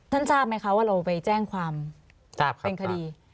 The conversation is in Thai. ทราบไหมคะว่าเราไปแจ้งความเป็นคดี